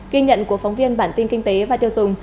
ghi nhận của phóng viên bản tin kinh tế và tiêu dùng